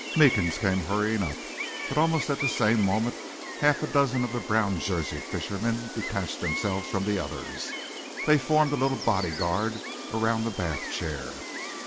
Meekins came hurrying up, but almost at the same moment half a dozen of the brown jerseyed fishermen detached themselves from the others. They formed a little bodyguard around the bath chair.